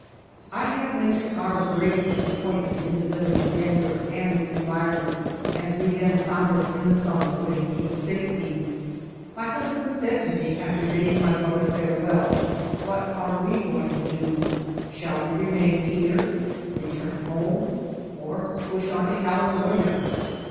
I have mentioned our great disappointment in the village of Denver and its environment as we then found it in the summer of eighteen sixty. My hus band said to me after bidding my brother farewell, *'T\Tiat are we going to do? Shall we remain here, return homle, or push on to California?"'